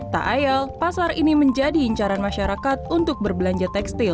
tak ayal pasar ini menjadi incaran masyarakat untuk berbelanja tekstil